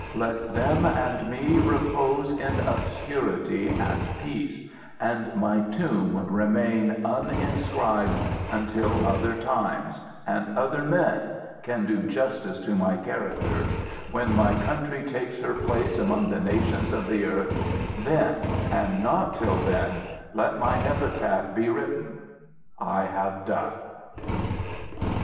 Let them and me repose in obscurity and peace, and my tomb remain uninscribed, until other times, and other men, can do justice to my character ; when my country takes her place among the nations of the earth, then, and not till then, let my epitaph be written. ŌĆö I have done.